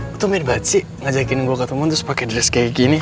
lo tuh merebat sih ngajakin gue ketemu terus pake dress kayak gini